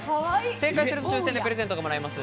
正解すると抽選でプレゼントがもらえます。